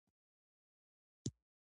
نوموړي ته د روغتیا هیله کوم.